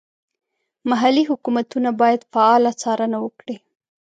محلي حکومتونه باید فعاله څارنه وکړي.